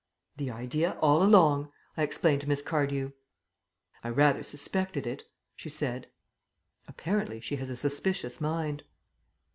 "The idea all along," I explained to Miss Cardew. "I rather suspected it," she said. Apparently she has a suspicious mind.